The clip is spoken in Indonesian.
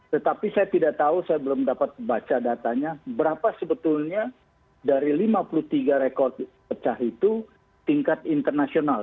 tetapi saya tidak tahu saya belum dapat baca datanya berapa sebetulnya dari lima puluh tiga rekor pecah itu tingkat internasional